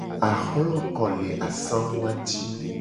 Ahloko le asangu a ji.